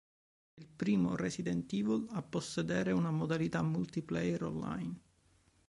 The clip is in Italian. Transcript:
È il primo "Resident Evil" a possedere una modalità multiplayer online.